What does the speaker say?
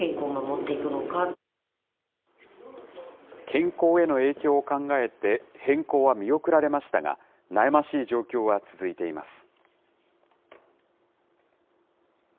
健康への影響を考えて、変更は見送られましたが、悩ましい状況は続いています。